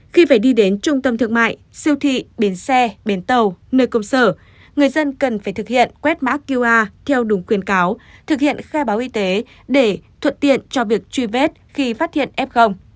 khi phải đi đến trung tâm thương mại siêu thị bến xe bến tàu nơi công sở người dân cần phải thực hiện quét mã qr theo đúng khuyên cáo thực hiện khai báo y tế để thuận tiện cho việc truy vết khi phát hiện f